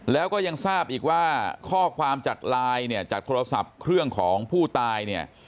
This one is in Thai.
แล้วก็ยังทราบอีกว่าข้อความจากไลน์เนี่ยจากโทรศัพท์เครื่องของผู้ตายเนี่ย